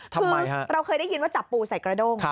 คือเราเคยได้ยินว่าจับปูใส่กระด้ง